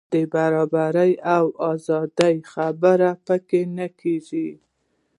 د برابرۍ او ازادۍ خبرې په کې نه کېږي.